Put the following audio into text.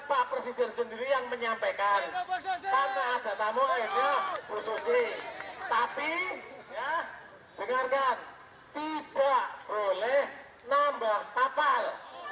pak presiden sendiri yang menyampaikan tapi dengarkan tidak boleh nambah papal